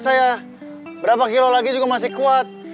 saya berapa kilo lagi juga masih kuat